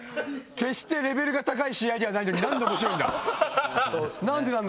決してレベルが高い試合ではないのになんで面白いんだ？